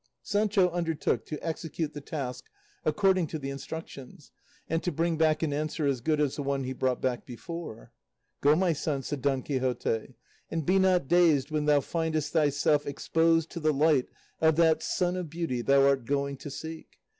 Sancho undertook to execute the task according to the instructions, and to bring back an answer as good as the one he brought back before. "Go, my son," said Don Quixote, "and be not dazed when thou findest thyself exposed to the light of that sun of beauty thou art going to seek.